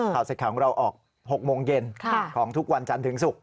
เสร็จข่าวของเราออก๖โมงเย็นของทุกวันจันทร์ถึงศุกร์